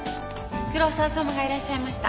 黒沢さまがいらっしゃいました。